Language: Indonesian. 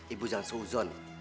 ibu jangan sehuzon